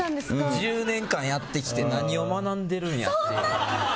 １０年間やってきて何を学んでるんやって。